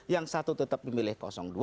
yang satu tetap memilih dua